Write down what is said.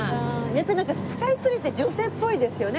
やっぱりなんかスカイツリーって女性っぽいですよね